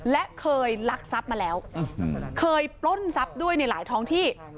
และเคยลักทรัพย์มาแล้วเคยปล้นทรัพย์ด้วยในหลายท้องที่